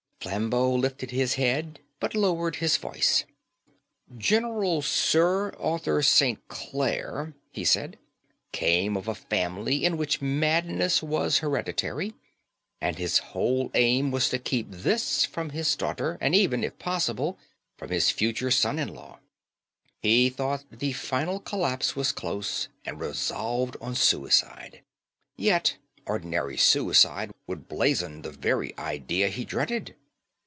Flambeau lifted his head, but lowered his voice. "General Sir Arthur St. Clare," he said, "came of a family in which madness was hereditary; and his whole aim was to keep this from his daughter, and even, if possible, from his future son in law. Rightly or wrongly, he thought the final collapse was close, and resolved on suicide. Yet ordinary suicide would blazon the very idea he dreaded.